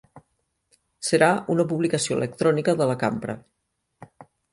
Serà una publicació electrònica de la cambra.